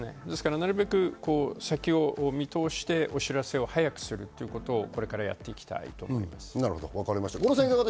なるべく先を見通して、お知らせを早くするということをこれからやっていきたいです。